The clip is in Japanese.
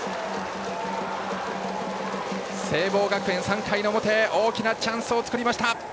聖望学園、３回の表大きなチャンスを作りました。